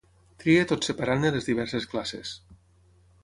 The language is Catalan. Triï tot separant-ne les diverses classes.